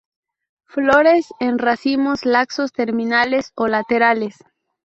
Flores en racimos laxos terminales o laterales.